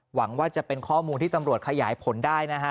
หวังว่าจะเป็นข้อมูลที่ตำรวจขยายผลได้นะฮะ